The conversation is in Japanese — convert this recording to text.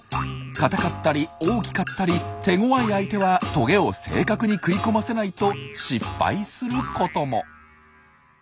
硬かったり大きかったり手ごわい相手はトゲを正確に食い込ませないと失敗することも。